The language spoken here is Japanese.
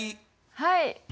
はい。